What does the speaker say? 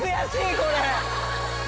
これ。